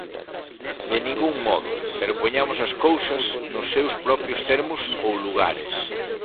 De ningún modo, pero poñamos as cousas nos seus propios termos ou lugares.